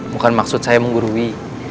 bukan maksud saya menggurui